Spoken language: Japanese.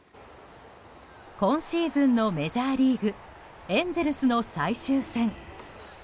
今シーズンのメジャーリーグエンゼルスの最終戦。